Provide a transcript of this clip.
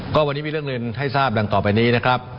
ก็วันนี้มีเรื่องเรียนให้ทราบดังต่อไปนี้นะครับ